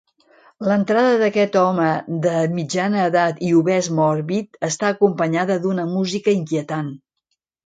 L'entrada d'aquest home de mitjana edat i obès mòrbid està acompanyada d'una música inquietant.